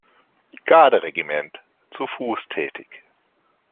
Garde-Regiment zu Fuß tätig.